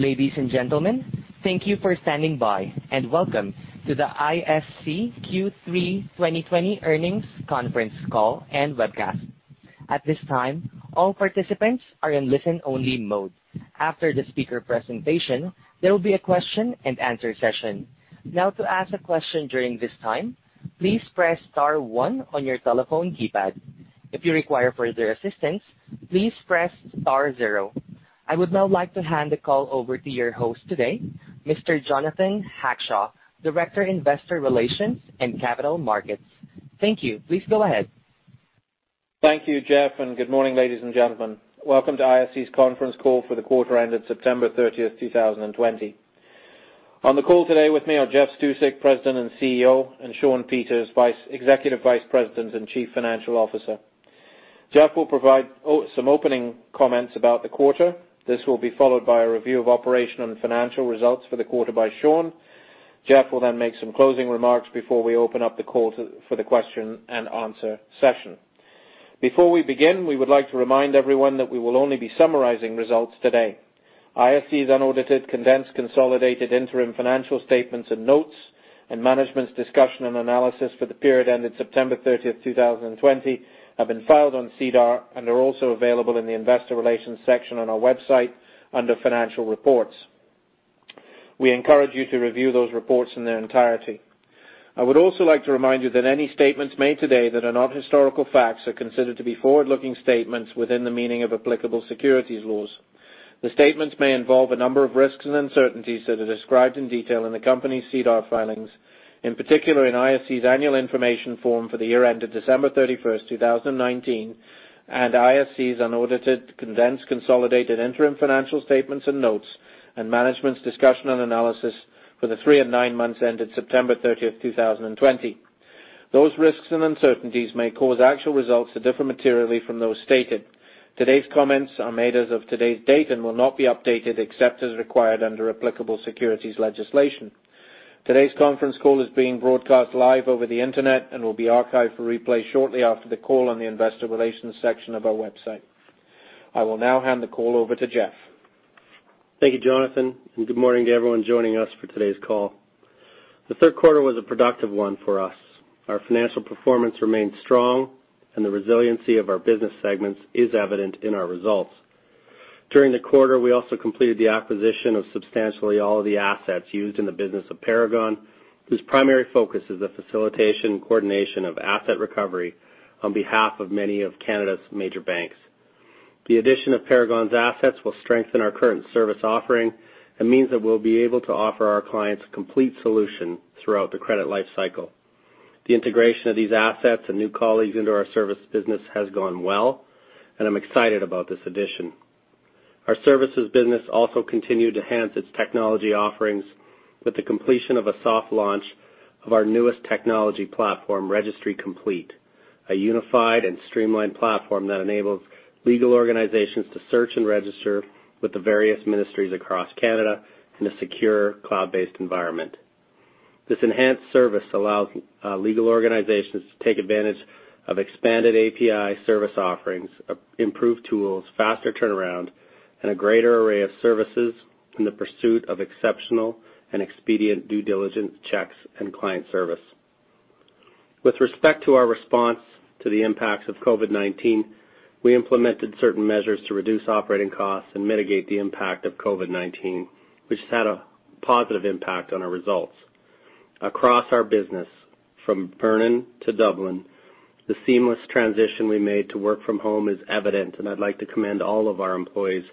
Ladies and gentlemen, thank you for standing by, and welcome to the ISC Q3 2020 earnings conference call and webcast. At this time, all participants are in listen-only mode. After the speaker presentation, there will be a question-and-answer session. Now, to ask a question during this time, please press star one on your telephone keypad. If you require further assistance, please press star zero. I would now like to hand the call over to your host today, Mr. Jonathan Hackshaw, Director, Investor Relations and Capital Markets. Thank you. Please go ahead. Thank you, Jeff, and good morning, ladies and gentlemen. Welcome to ISC's conference call for the quarter ended September 30th, 2020. On the call today with me are Jeff Stusek, President and CEO, and Shawn Peters, Executive Vice President and Chief Financial Officer. Jeff will provide some opening comments about the quarter. This will be followed by a review of operation and financial results for the quarter by Shawn. Jeff will then make some closing remarks before we open up the call for the question-and-answer session. Before we begin, we would like to remind everyone that we will only be summarizing results today. ISC's unaudited, condensed, consolidated interim financial statements and notes and management's discussion and analysis for the period ending September 30th, 2020 have been filed on SEDAR and are also available in the investor relations section on our website under financial reports. We encourage you to review those reports in their entirety. I would also like to remind you that any statements made today that are not historical facts are considered to be forward-looking statements within the meaning of applicable securities laws. The statements may involve a number of risks and uncertainties that are described in detail in the company's SEDAR filings, in particular in ISC's annual information form for the year ended December 31st, 2019, and ISC's unaudited, condensed, consolidated interim financial statements and notes and management's discussion and analysis for the three and nine months ended September 30th, 2020. Those risks and uncertainties may cause actual results to differ materially from those stated. Today's comments are made as of today's date and will not be updated except as required under applicable securities legislation. Today's conference call is being broadcast live over the Internet and will be archived for replay shortly after the call on the investor relations section of our website. I will now hand the call over to Jeff. Thank you, Jonathan. Good morning to everyone joining us for today's call. The third quarter was a productive one for us. Our financial performance remained strong, and the resiliency of our business segments is evident in our results. During the quarter, we also completed the acquisition of substantially all of the assets used in the business of Paragon, whose primary focus is the facilitation and coordination of asset recovery on behalf of many of Canada's major banks. The addition of Paragon's assets will strengthen our current service offering and means that we'll be able to offer our clients a complete solution throughout the credit life cycle. The integration of these assets and new colleagues into our service business has gone well, and I'm excited about this addition. Our services business also continued to enhance its technology offerings with the completion of a soft launch of our newest technology platform, Registry Complete, a unified and streamlined platform that enables legal organizations to search and register with the various ministries across Canada in a secure, cloud-based environment. This enhanced service allows legal organizations to take advantage of expanded API service offerings, improved tools, faster turnaround, and a greater array of services in the pursuit of exceptional and expedient due diligence checks and client service. With respect to our response to the impacts of COVID-19, we implemented certain measures to reduce operating costs and mitigate the impact of COVID-19, which has had a positive impact on our results. Across our business, from Vernon to Dublin, the seamless transition we made to work from home is evident, and I'd like to commend all of our employees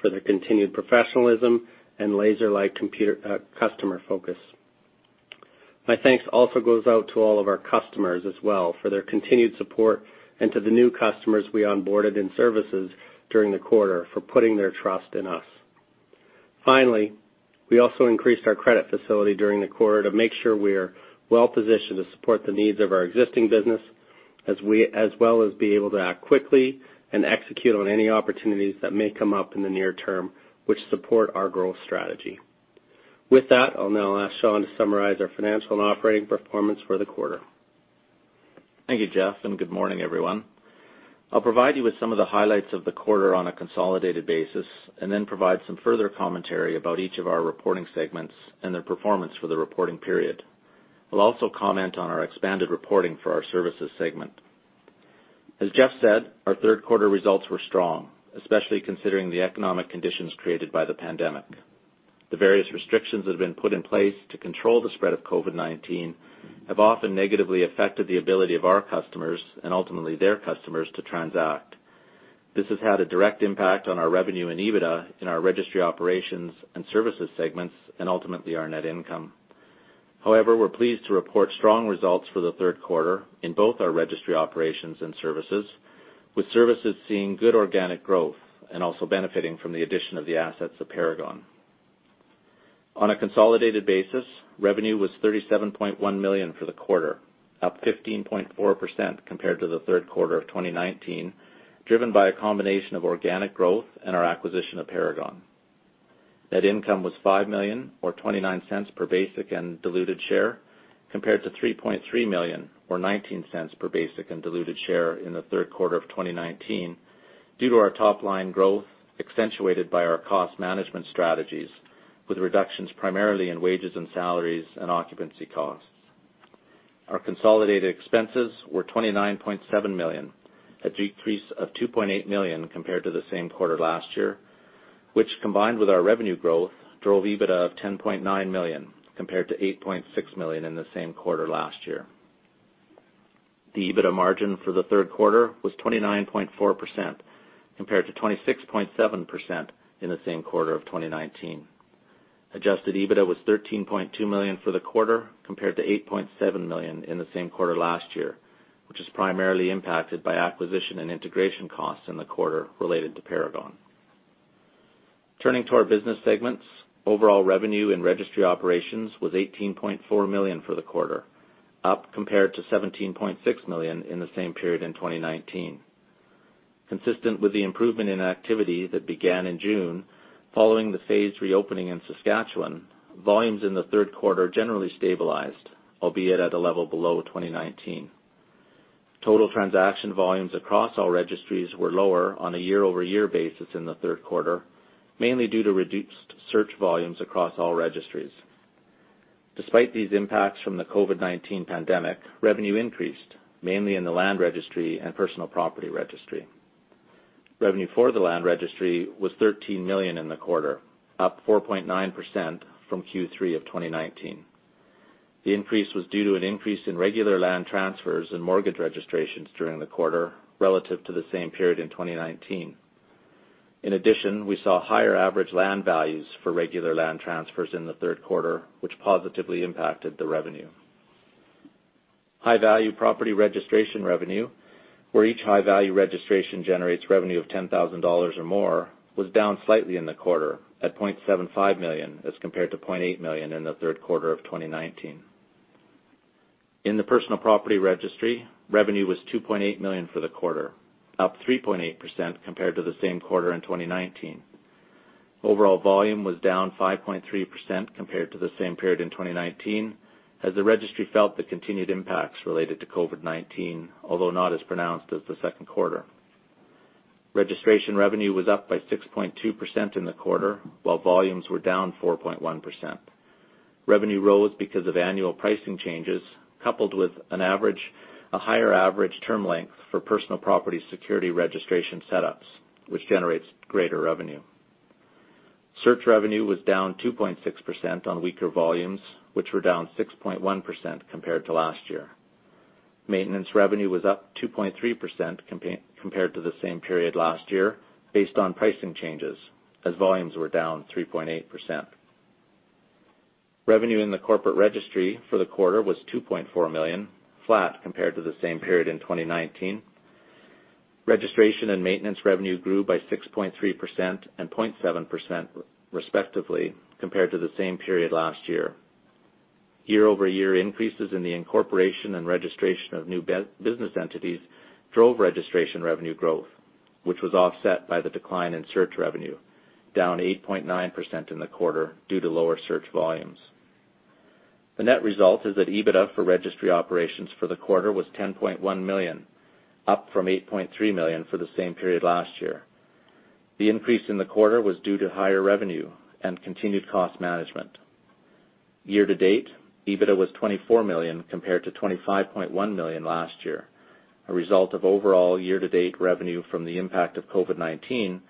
for their continued professionalism and laser-like customer focus. My thanks also goes out to all of our customers as well for their continued support and to the new customers we onboarded in services during the quarter for putting their trust in us. Finally, we also increased our credit facility during the quarter to make sure we are well-positioned to support the needs of our existing business as well as be able to act quickly and execute on any opportunities that may come up in the near-term, which support our growth strategy. With that, I'll now ask Shawn to summarize our financial and operating performance for the quarter. Thank you, Jeff, and good morning, everyone. I'll provide you with some of the highlights of the quarter on a consolidated basis and then provide some further commentary about each of our reporting segments and their performance for the reporting period. I'll also comment on our expanded reporting for our services segment. As Jeff said, our third quarter results were strong, especially considering the economic conditions created by the pandemic. The various restrictions that have been put in place to control the spread of COVID-19 have often negatively affected the ability of our customers, and ultimately their customers, to transact. This has had a direct impact on our revenue and EBITDA in our Registry Operations and Services segments, and ultimately our net income. However, we're pleased to report strong results for the third quarter in both our Registry Operations and Services, with Services seeing good organic growth and also benefiting from the addition of the assets of Paragon. On a consolidated basis, revenue was 37.1 million for the quarter, up 15.4% compared to the third quarter of 2019, driven by a combination of organic growth and our acquisition of Paragon. Net income was 5 million, or 0.29 per basic and diluted share, compared to 3.3 million, or 0.19 per basic and diluted share in the third quarter of 2019 due to our top-line growth accentuated by our cost management strategies, with reductions primarily in wages and salaries and occupancy costs. Our consolidated expenses were 29.7 million, a decrease of 2.8 million compared to the same quarter last year, which combined with our revenue growth, drove EBITDA of 10.9 million compared to 8.6 million in the same quarter last year. The EBITDA margin for the third quarter was 29.4% compared to 26.7% in the same quarter of 2019. Adjusted EBITDA was CAD 13.2 million for the quarter compared to CAD 8.7 million in the same quarter last year, which is primarily impacted by acquisition and integration costs in the quarter related to Paragon. Turning to our business segments, overall revenue and Registry Operations was 18.4 million for the quarter, up compared to 17.6 million in the same period in 2019. Consistent with the improvement in activity that began in June, following the phased reopening in Saskatchewan, volumes in the third quarter generally stabilized, albeit at a level below 2019. Total transaction volumes across all registries were lower on a year-over-year basis in the third quarter, mainly due to reduced search volumes across all registries. Despite these impacts from the COVID-19 pandemic, revenue increased, mainly in the Land Registry and Personal Property Registry. Revenue for the Land Registry was CAD 13 million in the quarter, up 4.9% from Q3 of 2019. The increase was due to an increase in regular land transfers and mortgage registrations during the quarter relative to the same period in 2019. In addition, we saw higher average land values for regular land transfers in the third quarter, which positively impacted the revenue. High-value property registration revenue, where each high-value registration generates revenue of 10,000 dollars or more, was down slightly in the quarter at 0.75 million as compared to 0.8 million in the third quarter of 2019. In the Personal Property Registry, revenue was 2.8 million for the quarter, up 3.8% compared to the same quarter in 2019. Overall volume was down 5.3% compared to the same period in 2019, as the registry felt the continued impacts related to COVID-19, although not as pronounced as the second quarter. Registration revenue was up by 6.2% in the quarter while volumes were down 4.1%. Revenue rose because of annual pricing changes, coupled with a higher average term length for personal property security registration setups, which generates greater revenue. Search revenue was down 2.6% on weaker volumes, which were down 6.1% compared to last year. Maintenance revenue was up 2.3% compared to the same period last year based on pricing changes, as volumes were down 3.8%. Revenue in the Corporate Registry for the quarter was 2.4 million, flat compared to the same period in 2019. Registration and maintenance revenue grew by 6.3% and 0.7%, respectively, compared to the same period last year. Year-over-year increases in the incorporation and registration of new business entities drove registration revenue growth, which was offset by the decline in search revenue, down 8.9% in the quarter due to lower search volumes. The net result is that EBITDA for Registry Operations for the quarter was 10.1 million, up from 8.3 million for the same period last year. The increase in the quarter was due to higher revenue and continued cost management. Year-to-date, EBITDA was 24 million compared to 25.1 million last year, a result of overall year-to-date revenue from the impact of COVID-19,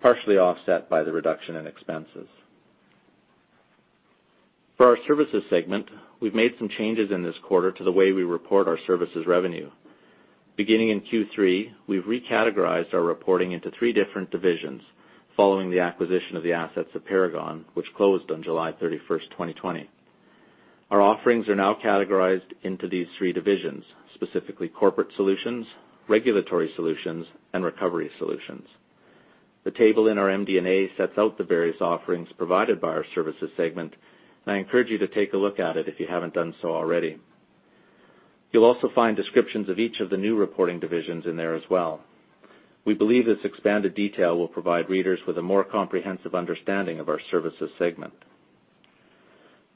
partially offset by the reduction in expenses. For our Services segment, we've made some changes in this quarter to the way we report our services revenue. Beginning in Q3, we've recategorized our reporting into three different divisions following the acquisition of the assets of Paragon, which closed on July 31st, 2020. Our offerings are now categorized into these three divisions, specifically Corporate Solutions, Regulatory Solutions, and Recovery Solutions. The table in our MD&A sets out the various offerings provided by our Services segment, I encourage you to take a look at it if you haven't done so already. You'll also find descriptions of each of the new reporting divisions in there as well. We believe this expanded detail will provide readers with a more comprehensive understanding of our Services segment.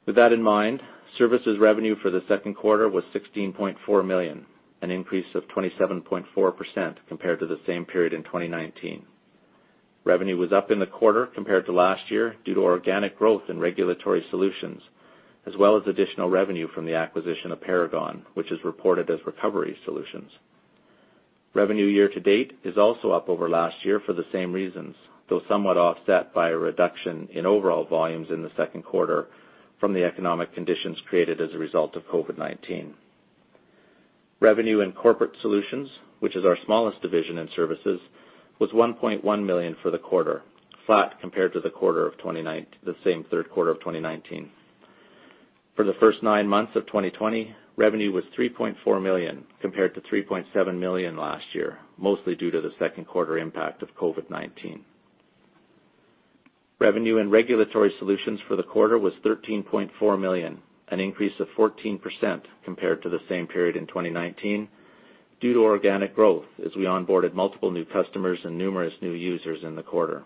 With that in mind, Services revenue for the second quarter was 16.4 million, an increase of 27.4% compared to the same period in 2019. Revenue was up in the quarter compared to last year due to organic growth in Regulatory Solutions, as well as additional revenue from the acquisition of Paragon, which is reported as Recovery Solutions. Revenue year-to-date is also up over last year for the same reasons, though somewhat offset by a reduction in overall volumes in the second quarter from the economic conditions created as a result of COVID-19. Revenue in Corporate Solutions, which is our smallest division in Services, was 1.1 million for the quarter, flat compared to the same third quarter of 2019. For the first nine months of 2020, revenue was 3.4 million compared to 3.7 million last year, mostly due to the second quarter impact of COVID-19. Revenue in Regulatory Solutions for the quarter was 13.4 million, an increase of 14% compared to the same period in 2019 due to organic growth as we onboarded multiple new customers and numerous new users in the quarter.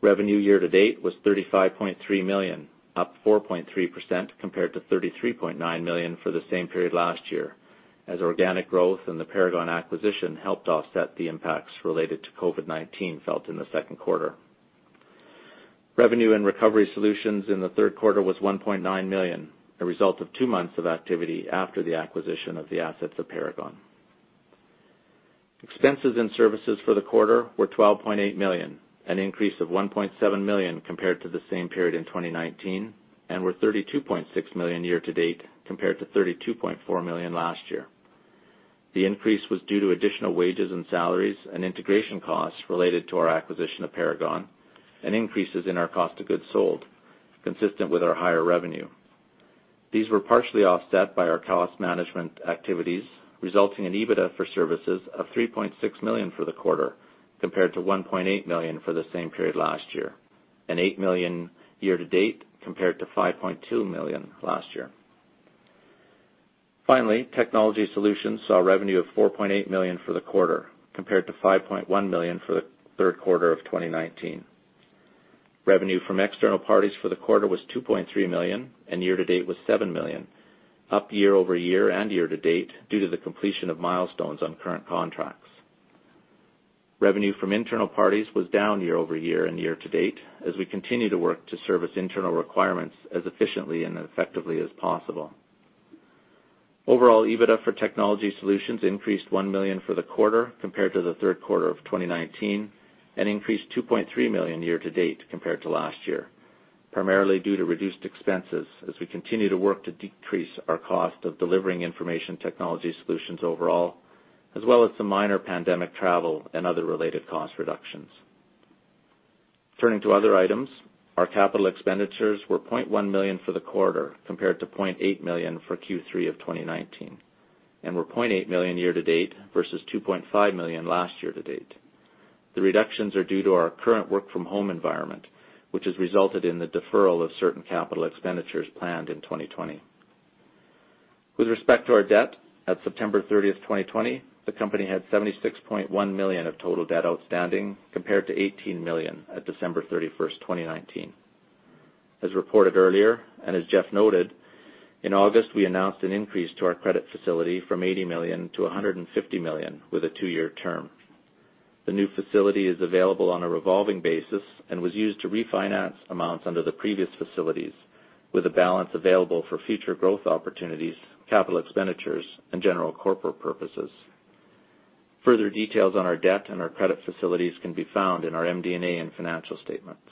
Revenue year-to-date was 35.3 million, up 4.3% compared to 33.9 million for the same period last year, as organic growth and the Paragon acquisition helped offset the impacts related to COVID-19 felt in the second quarter. Revenue in Recovery Solutions in the third quarter was 1.9 million, a result of two months of activity after the acquisition of the assets of Paragon. Expenses in Services for the quarter were CAD 12.8 million, an increase of CAD 1.7 million compared to the same period in 2019, and were CAD 32.6 million year-to-date compared to CAD 32.4 million last year. The increase was due to additional wages and salaries and integration costs related to our acquisition of Paragon and increases in our cost of goods sold, consistent with our higher revenue. These were partially offset by our cost management activities, resulting in EBITDA for Services of 3.6 million for the quarter, compared to 1.8 million for the same period last year, and 8 million year-to-date compared to 5.2 million last year. Finally, Technology Solutions saw revenue of 4.8 million for the quarter, compared to 5.1 million for the third quarter of 2019. Revenue from external parties for the quarter was 2.3 million and year-to-date was 7 million, up year-over-year and year-to-date due to the completion of milestones on current contracts. Revenue from internal parties was down year-over-year and year-to-date, as we continue to work to service internal requirements as efficiently and effectively as possible. Overall, EBITDA for Technology Solutions increased 1 million for the quarter compared to the third quarter of 2019, and increased 2.3 million year-to-date compared to last year, primarily due to reduced expenses as we continue to work to decrease our cost of delivering information technology solutions overall, as well as some minor pandemic travel and other related cost reductions. Turning to other items, our capital expenditures were 0.1 million for the quarter, compared to 0.8 million for Q3 of 2019, and were 0.8 million year to date versus 2.5 million last year to date. The reductions are due to our current work from home environment, which has resulted in the deferral of certain capital expenditures planned in 2020. With respect to our debt, at September 30, 2020, the company had 76.1 million of total debt outstanding, compared to 18 million at December 31, 2019. As reported earlier, and as Jeff noted, in August, we announced an increase to our credit facility from 80 million to 150 million with a two-year term. The new facility is available on a revolving basis and was used to refinance amounts under the previous facilities, with a balance available for future growth opportunities, capital expenditures, and general corporate purposes. Further details on our debt and our credit facilities can be found in our MD&A and financial statements.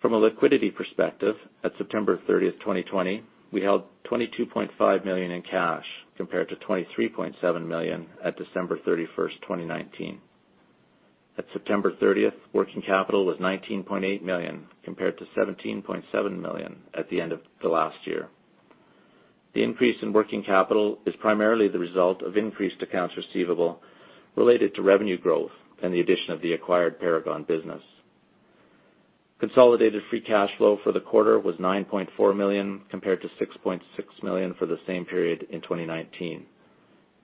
From a liquidity perspective, at September 30th, 2020, we held 22.5 million in cash, compared to 23.7 million at December 31st, 2019. At September 30th, working capital was 19.8 million, compared to 17.7 million at the end of the last year. The increase in working capital is primarily the result of increased accounts receivable related to revenue growth and the addition of the acquired Paragon business. Consolidated free cash flow for the quarter was 9.4 million, compared to 6.6 million for the same period in 2019.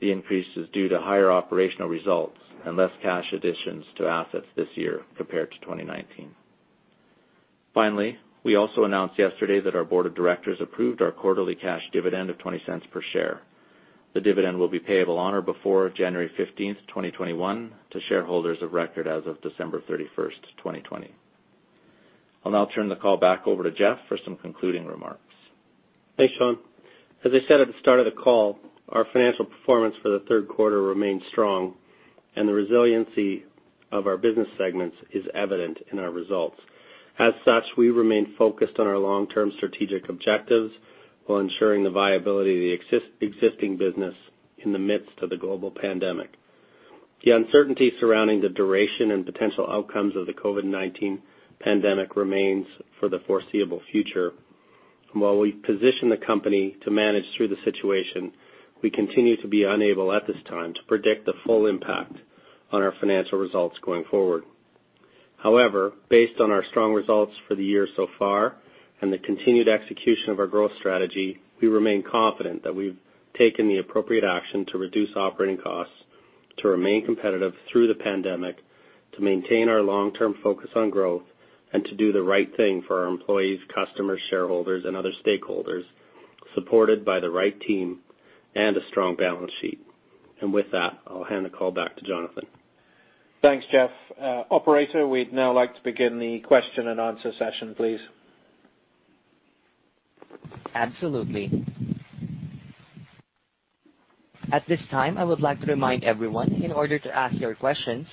The increase is due to higher operational results and less cash additions to assets this year compared to 2019. Finally, we also announced yesterday that our Board of Directors approved our quarterly cash dividend of 0.20 per share. The dividend will be payable on or before January 15th, 2021 to shareholders of record as of December 31st, 2020. I'll now turn the call back over to Jeff for some concluding remarks. Thanks, Shawn. As I said at the start of the call, our financial performance for the third quarter remained strong, and the resiliency of our business segments is evident in our results. As such, we remain focused on our long-term strategic objectives while ensuring the viability of the existing business in the midst of the global pandemic. The uncertainty surrounding the duration and potential outcomes of the COVID-19 pandemic remains for the foreseeable future. While we position the company to manage through the situation, we continue to be unable at this time to predict the full impact on our financial results going forward. However, based on our strong results for the year so far and the continued execution of our growth strategy, we remain confident that we've taken the appropriate action to reduce operating costs to remain competitive through the pandemic, to maintain our long-term focus on growth, and to do the right thing for our employees, customers, shareholders, and other stakeholders, supported by the right team and a strong balance sheet. With that, I'll hand the call back to Jonathan. Thanks, Jeff. Operator, we'd now like to begin the question-and-answer session, please. Absolutely. At this time, I would like to remind everyone, in order to ask your questions,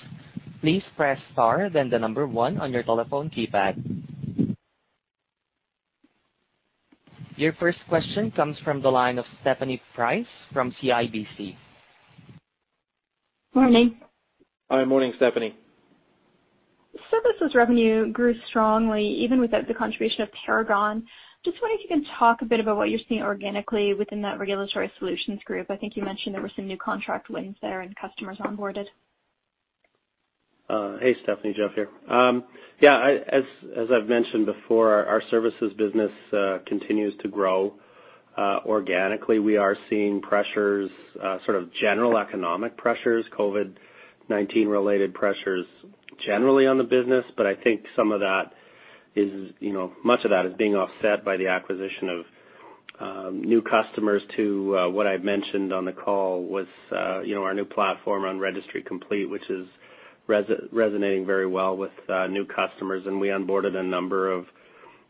please press star then the number one on your telephone keypad. Your first question comes from the line of Stephanie Price from CIBC. Morning. Hi. Morning, Stephanie. Services revenue grew strongly even without the contribution of Paragon. Just wondering if you can talk a bit about what you're seeing organically within that Regulatory Solutions group. I think you mentioned there were some new contract wins there and customers onboarded. Hey, Stephanie. Jeff here. Yeah. As I've mentioned before, our services business continues to grow organically. We are seeing pressures, sort of general economic pressures, COVID-19 related pressures generally on the business. I think much of that is being offset by the acquisition of new customers to what I've mentioned on the call was our new platform on Registry Complete, which is resonating very well with new customers, and we onboarded a number of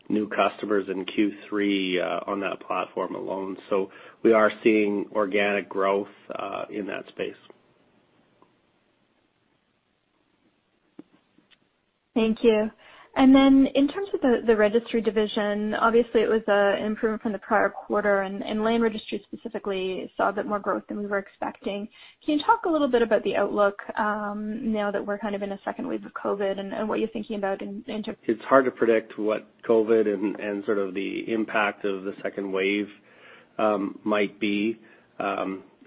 new customers in Q3 on that platform alone. We are seeing organic growth in that space. Thank you. In terms of the registry division, obviously it was an improvement from the prior quarter. Land Registry specifically saw a bit more growth than we were expecting. Can you talk a little bit about the outlook now that we're kind of in a second wave of COVID and what you're thinking about- It's hard to predict what COVID and sort of the impact of the second wave might be.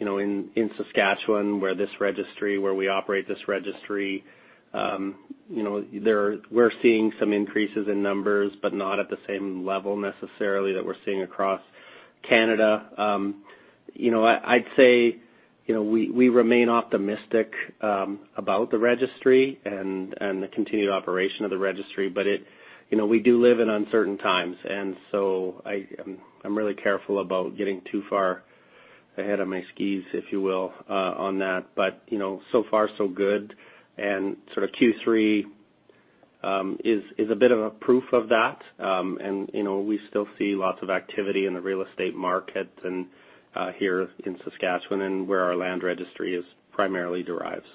In Saskatchewan, where we operate this registry, we're seeing some increases in numbers, but not at the same level necessarily that we're seeing across Canada. I'd say we remain optimistic about the registry and the continued operation of the registry, but we do live in uncertain times, and so I'm really careful about getting too far ahead on my skis, if you will, on that. So far so good and sort of Q3 is a bit of a proof of that. We still see lots of activity in the real estate market and here in Saskatchewan and where our Land Registry is primarily derived.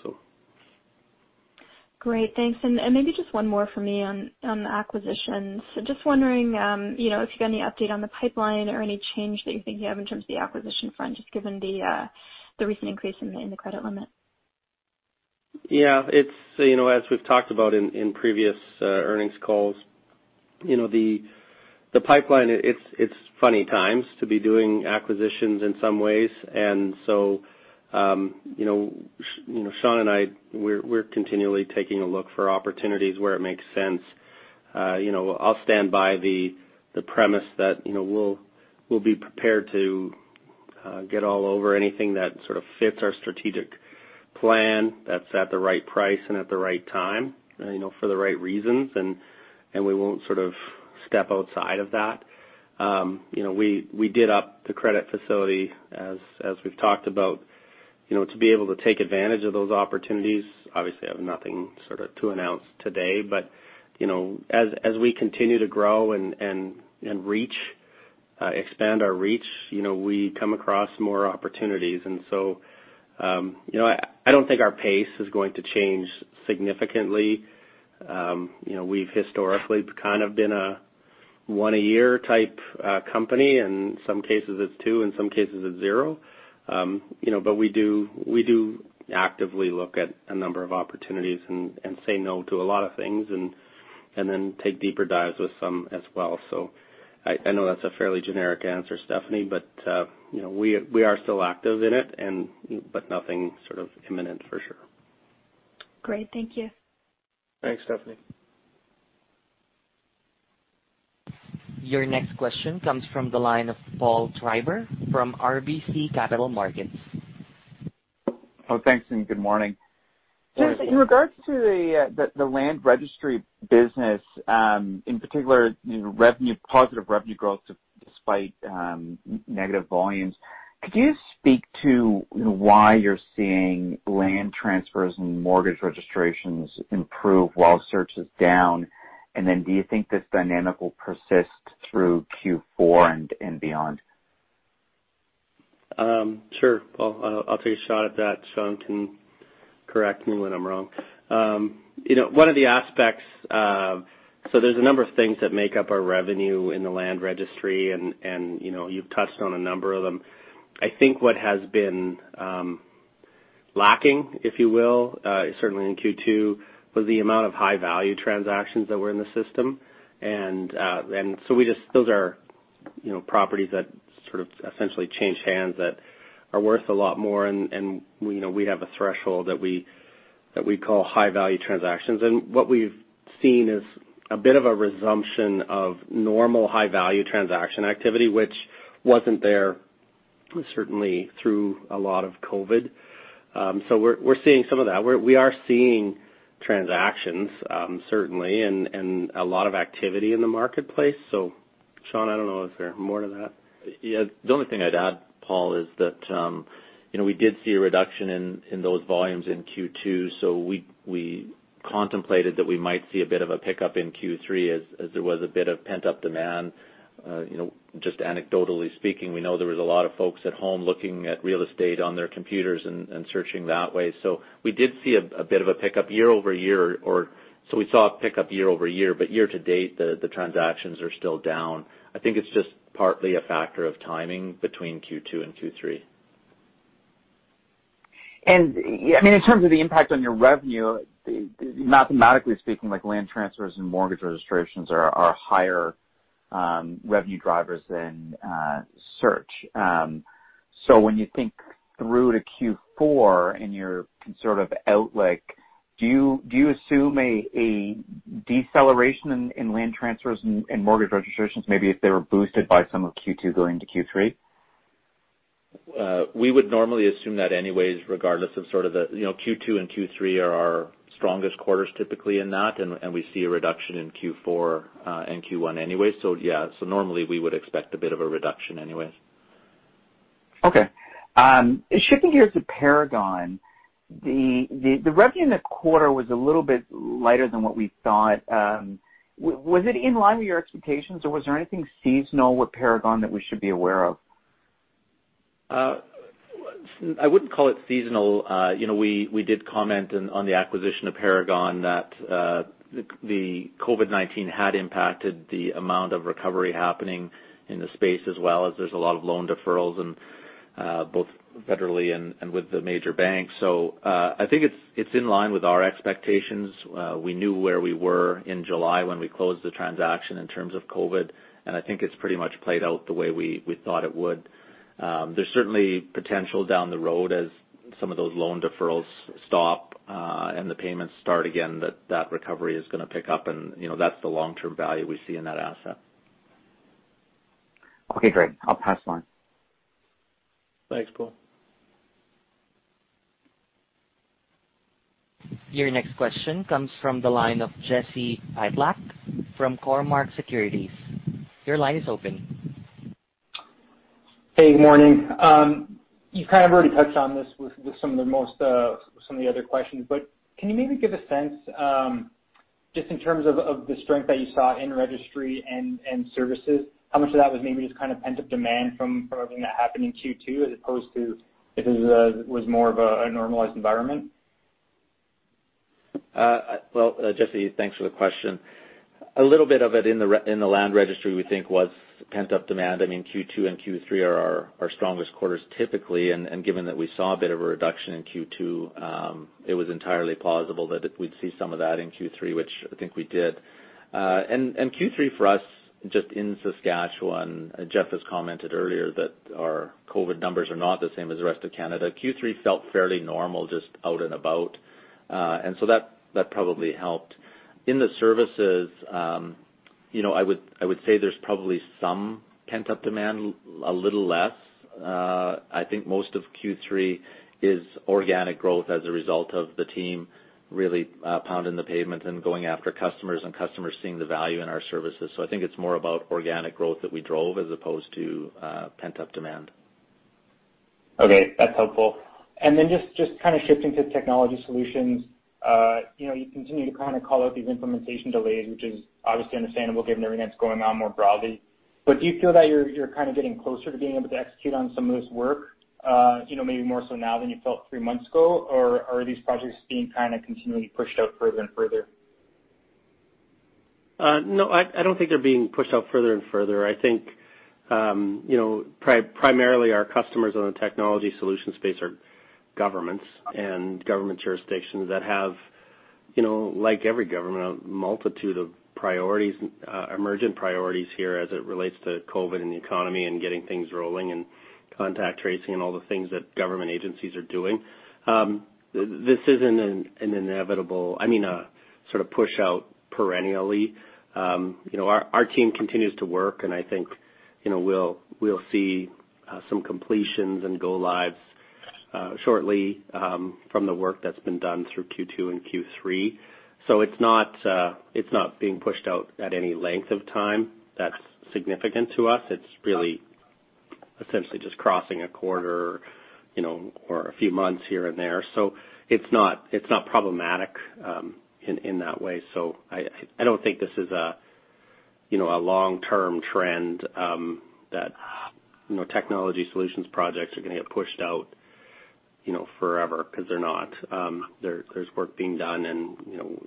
Great. Thanks. Maybe just one more from me on the acquisitions. Just wondering if you've got any update on the pipeline or any change that you think you have in terms of the acquisition front, just given the recent increase in the credit limit. Yeah. As we've talked about in previous earnings calls, the pipeline, it's funny times to be doing acquisitions in some ways. Shawn and I, we're continually taking a look for opportunities where it makes sense. I'll stand by the premise that we'll be prepared to get all over anything that sort of fits our strategic plan that's at the right price and at the right time for the right reasons and we won't step outside of that. We did up the credit facility as we've talked about to be able to take advantage of those opportunities. Obviously, I have nothing to announce today, but as we continue to grow and expand our reach, we come across more opportunities. I don't think our pace is going to change significantly. We've historically kind of been a one-a-year type company. In some cases it's two, in some cases it's zero. We do actively look at a number of opportunities and say no to a lot of things and then take deeper dives with some as well. I know that's a fairly generic answer, Stephanie, but we are still active in it but nothing sort of imminent for sure. Great. Thank you. Thanks, Stephanie. Your next question comes from the line of Paul Treiber from RBC Capital Markets. Oh, thanks, good morning. Good morning. Just in regards to the land registry business, in particular positive revenue growth despite negative volumes, could you speak to why you're seeing land transfers and mortgage registrations improve while search is down? Do you think this dynamic will persist through Q4 and beyond? Sure. Paul, I'll take a shot at that. Shawn can correct me when I'm wrong. There's a number of things that make up our revenue in the Land Registry and you've touched on a number of them. I think what has been lacking, if you will, certainly in Q2, was the amount of high-value transactions that were in the system. Those are properties that sort of essentially change hands that are worth a lot more, and we have a threshold that we call high-value transactions. What we've seen is a bit of a resumption of normal high-value transaction activity, which wasn't there certainly through a lot of COVID. We're seeing some of that. We are seeing transactions, certainly, and a lot of activity in the marketplace. Shawn, I don't know, is there more to that? Yeah. The only thing I'd add, Paul, is that we did see a reduction in those volumes in Q2, so we contemplated that we might see a bit of a pickup in Q3 as there was a bit of pent-up demand. Just anecdotally speaking, we know there was a lot of folks at home looking at real estate on their computers and searching that way. We did see a bit of a pickup year-over-year, but year to date, the transactions are still down. I think it's just partly a factor of timing between Q2 and Q3. In terms of the impact on your revenue, mathematically speaking, land transfers and mortgage registrations are higher revenue drivers than search. When you think through to Q4 and your sort of outlook, do you assume a deceleration in land transfers and mortgage registrations, maybe if they were boosted by some of Q2 going to Q3? We would normally assume that anyways, regardless of the Q2 and Q3 are our strongest quarters typically in that, and we see a reduction in Q4 and Q1 anyway. Yeah. Normally we would expect a bit of a reduction anyways. Okay. Shifting here to Paragon. The revenue in the quarter was a little bit lighter than what we thought. Was it in line with your expectations, or was there anything seasonal with Paragon that we should be aware of? I wouldn't call it seasonal. We did comment on the acquisition of Paragon that the COVID-19 had impacted the amount of recovery happening in the space as well as there's a lot of loan deferrals, both federally and with the major banks. I think it's in line with our expectations. We knew where we were in July when we closed the transaction in terms of COVID, and I think it's pretty much played out the way we thought it would. There's certainly potential down the road as some of those loan deferrals stop, and the payments start again, that recovery is going to pick up, and that's the long-term value we see in that asset. Okay, great. I'll pass the line. Thanks, Paul. Your next question comes from the line of Jesse Pytlak from Cormark Securities. Your line is open. Hey, good morning. You've kind of already touched on this with some of the other questions, but can you maybe give a sense, just in terms of the strength that you saw in registry and services, how much of that was maybe just kind of pent-up demand from everything that happened in Q2 as opposed to if it was more of a normalized environment? Jesse, thanks for the question. A little bit of it in the Land Registry we think was pent-up demand. I mean, Q2 and Q3 are our strongest quarters typically, and given that we saw a bit of a reduction in Q2, it was entirely plausible that we'd see some of that in Q3, which I think we did. Q3 for us, just in Saskatchewan, Jeff has commented earlier that our COVID numbers are not the same as the rest of Canada. Q3 felt fairly normal, just out and about. That probably helped. In the services, I would say there's probably some pent-up demand, a little less. I think most of Q3 is organic growth as a result of the team really pounding the pavement and going after customers, and customers seeing the value in our services. I think it's more about organic growth that we drove as opposed to pent-up demand. Okay, that's helpful. Then just shifting to Technology Solutions. You continue to call out these implementation delays, which is obviously understandable given everything that's going on more broadly. Do you feel that you're getting closer to being able to execute on some of this work, maybe more so now than you felt three months ago? Are these projects being kind of continually pushed out further and further? No, I don't think they're being pushed out further and further. I think primarily our customers on the technology solution space are governments and government jurisdictions that have, like every government, a multitude of emergent priorities here as it relates to COVID and the economy and getting things rolling and contact tracing and all the things that government agencies are doing. This isn't, I mean, a sort of push out perennially. Our team continues to work. I think we'll see some completions and go lives shortly from the work that's been done through Q2 and Q3. It's not being pushed out at any length of time that's significant to us. It's really essentially just crossing a quarter or a few months here and there. It's not problematic in that way. I don't think this is a long-term trend that Technology Solutions projects are going to get pushed out forever, because they're not. There's work being done, and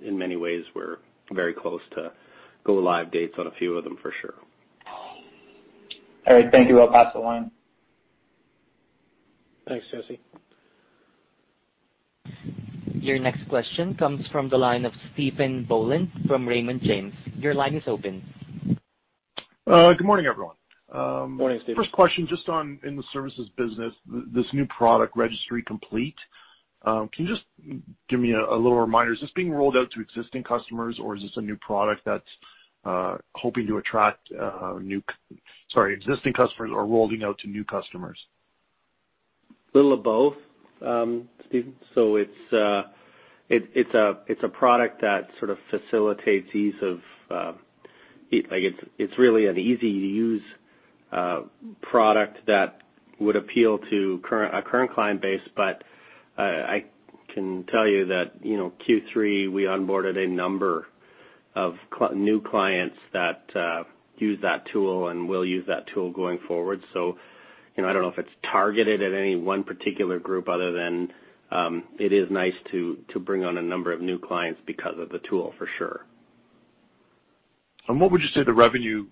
in many ways, we're very close to go live dates on a few of them for sure. All right, thank you. I'll pass the line. Thanks, Jesse. Your next question comes from the line of Stephen Boland from Raymond James. Your line is open. Good morning, everyone. Morning, Stephen. First question, just on in the Services business, this new product Registry Complete. Can you just give me a little reminder, is this being rolled out to existing customers, or is this a new product that's hoping to attract existing customers or rolling out to new customers? Little of both, Stephen. It's a product that sort of facilitates. It's really an easy-to-use product that would appeal to a current client base. I can tell you that Q3, we onboarded a number of new clients that use that tool and will use that tool going forward. I don't know if it's targeted at any one particular group other than it is nice to bring on a number of new clients because of the tool, for sure. What would you say the revenue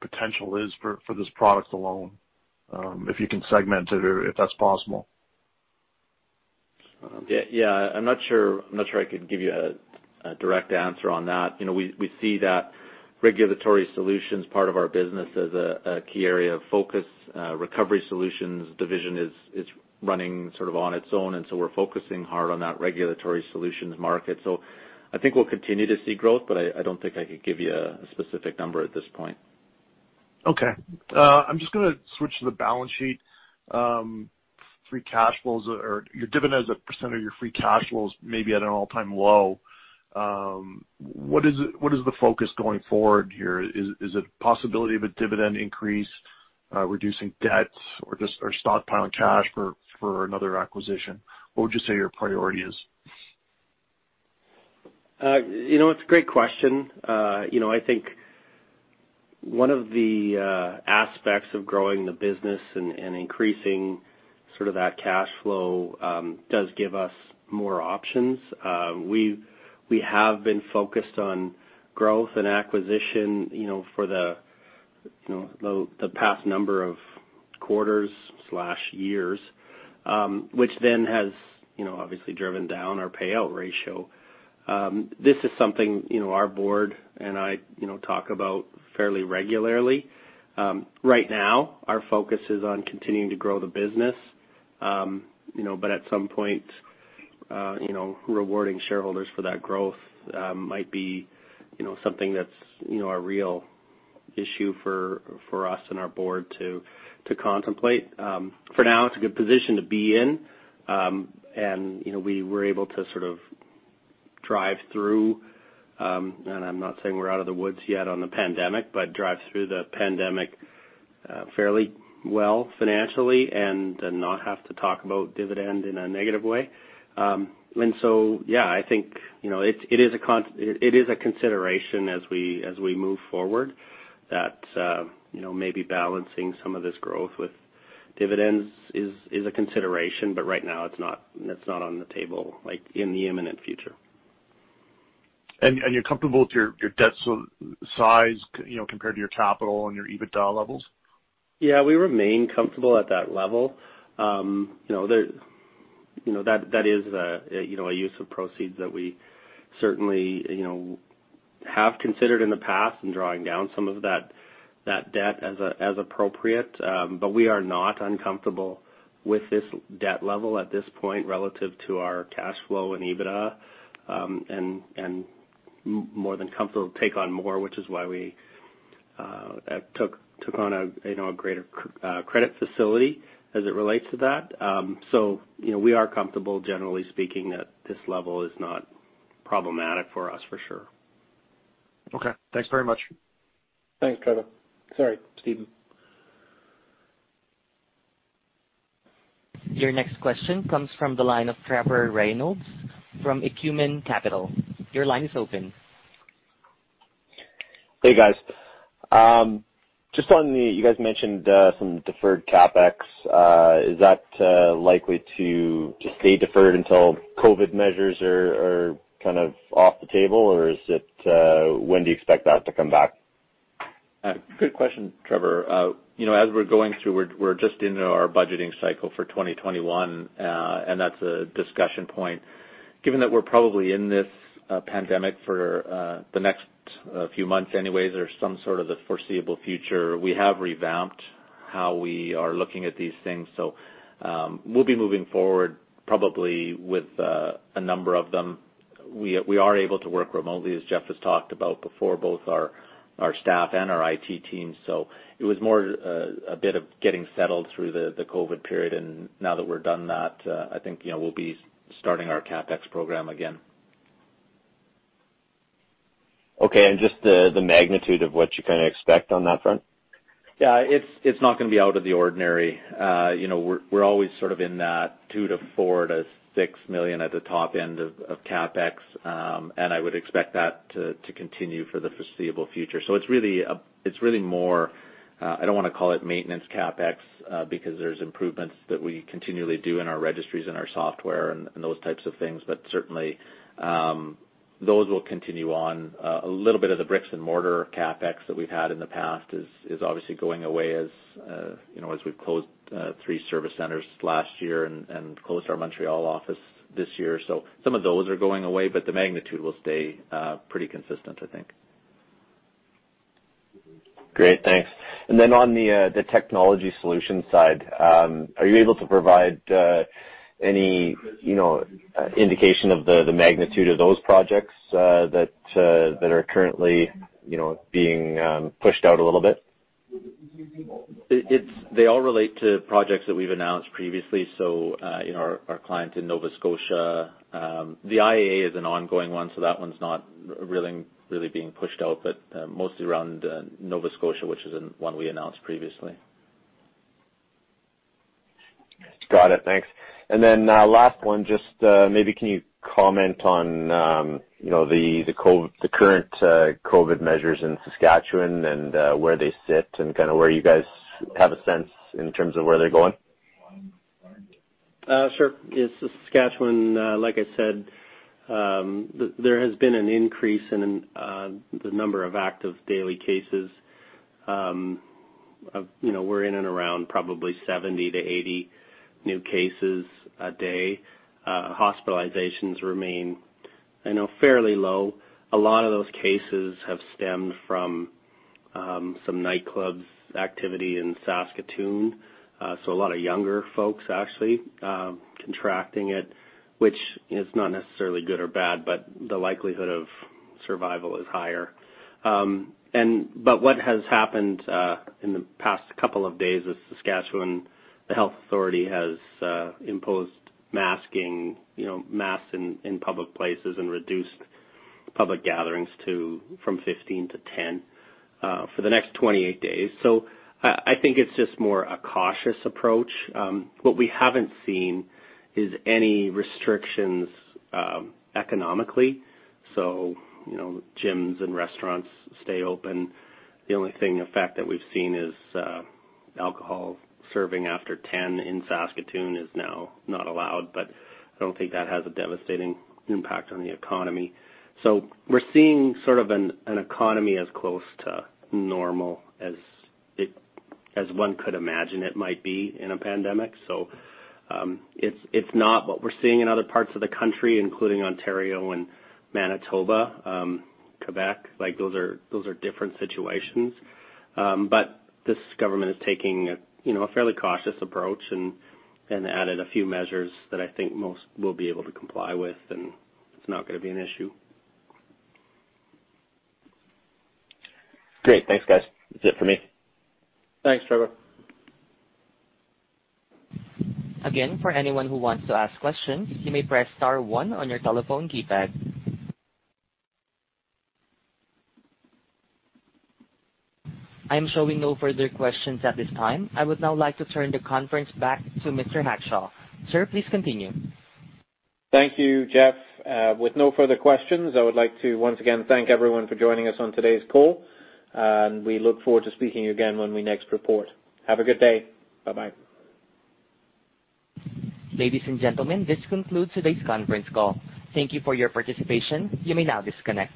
potential is for this product alone? If you can segment it or if that's possible. Yeah. I'm not sure I could give you a direct answer on that. We see that Regulatory Solutions part of our business as a key area of focus. Recovery Solutions division is running sort of on its own. We're focusing hard on that Regulatory Solutions market. I think we'll continue to see growth, but I don't think I could give you a specific number at this point. Okay. I'm just going to switch to the balance sheet. Free cash flows or your dividend as a percent of your free cash flows may be at an all-time low. What is the focus going forward here? Is it possibility of a dividend increase, reducing debt or stockpiling cash for another acquisition? What would you say your priority is? It's a great question. I think one of the aspects of growing the business and increasing sort of that cash flow does give us more options. We have been focused on growth and acquisition for the past number of quarters/years, which then has obviously driven down our payout ratio. This is something our board and I talk about fairly regularly. Right now, our focus is on continuing to grow the business. At some point, rewarding shareholders for that growth might be something that's a real issue for us and our board to contemplate. For now, it's a good position to be in. We were able to sort of drive through, and I'm not saying we're out of the woods yet on the pandemic, but drive through the pandemic fairly well financially and not have to talk about dividend in a negative way. Yeah, I think it is a consideration as we move forward that maybe balancing some of this growth with dividends is a consideration, but right now it's not on the table in the imminent future. You're comfortable with your debt size compared to your capital and your EBITDA levels? Yeah, we remain comfortable at that level. That is a use of proceeds that we certainly have considered in the past in drawing down some of that debt as appropriate. We are not uncomfortable with this debt level at this point relative to our cash flow and EBITDA, and more than comfortable to take on more, which is why we took on a greater credit facility as it relates to that. We are comfortable, generally speaking, that this level is not problematic for us, for sure. Okay. Thanks very much. Thanks, Trevor. Sorry, Stephen. Your next question comes from the line of Trevor Reynolds from Acumen Capital. Your line is open. Hey, guys. You guys mentioned some deferred CapEx, is that likely to stay deferred until COVID measures are kind of off the table, or when do you expect that to come back? Good question, Trevor. As we're going through, we're just in our budgeting cycle for 2021. That's a discussion point. Given that we're probably in this pandemic for the next few months anyway or some sort of the foreseeable future, we have revamped how we are looking at these things. We'll be moving forward probably with a number of them. We are able to work remotely, as Jeff has talked about before, both our staff and our IT team. It was more a bit of getting settled through the COVID period, and now that we're done that, I think we'll be starting our CapEx program again. Okay. Just the magnitude of what you kind of expect on that front? Yeah. It's not going to be out of the ordinary. We're always sort of in that 2 million to 4 million to 6 million at the top end of CapEx. I would expect that to continue for the foreseeable future. It's really more, I don't want to call it maintenance CapEx, because there's improvements that we continually do in our registries and our software and those types of things. Certainly, those will continue on. A little bit of the bricks and mortar CapEx that we've had in the past is obviously going away as we've closed three service centers last year and closed our Montreal office this year. Some of those are going away, but the magnitude will stay pretty consistent, I think. Great, thanks. On the Technology Solutions side, are you able to provide any indication of the magnitude of those projects that are currently being pushed out a little bit? They all relate to projects that we've announced previously, so our client in Nova Scotia. The IAA is an ongoing one, so that one's not really being pushed out, but mostly around Nova Scotia, which is one we announced previously. Got it. Thanks. Last one, just maybe can you comment on the current COVID measures in Saskatchewan and where they sit and kind of where you guys have a sense in terms of where they're going? Sure. Yeah, Saskatchewan, like I said, there has been an increase in the number of active daily cases. We're in and around probably 70-80 new cases a day. Hospitalizations remain fairly low. A lot of those cases have stemmed from some nightclubs activity in Saskatoon. A lot of younger folks actually contracting it, which is not necessarily good or bad, but the likelihood of survival is higher. What has happened in the past couple of days is Saskatchewan, the health authority, has imposed masking, masks in public places and reduced public gatherings from 15 to 10 for the next 28 days. I think it's just more a cautious approach. What we haven't seen is any restrictions economically. Gyms and restaurants stay open. The only thing, effect, that we've seen is alcohol serving after 10:00 P.M. in Saskatoon is now not allowed, but I don't think that has a devastating impact on the economy. We're seeing sort of an economy as close to normal as one could imagine it might be in a pandemic. It's not what we're seeing in other parts of the country, including Ontario and Manitoba, Quebec. Those are different situations. This government is taking a fairly cautious approach and added a few measures that I think most will be able to comply with, and it's not going to be an issue. Great. Thanks, guys. That's it for me. Thanks, Trevor. Again, for anyone who wants to ask questions, you may press star one on your telephone keypad. I am showing no further questions at this time. I would now like to turn the conference back to Mr. Hackshaw. Sir, please continue. Thank you, Jeff. With no further questions, I would like to once again thank everyone for joining us on today's call, and we look forward to speaking again when we next report. Have a good day. Bye-bye. Ladies and gentlemen, this concludes today's conference call. Thank you for your participation. You may now disconnect.